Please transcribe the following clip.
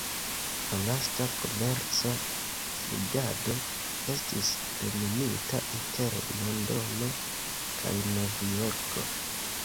La lasta komerca flugado estis plenumita inter Londono kaj Nov-Jorko.